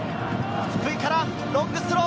福井からロングスロー。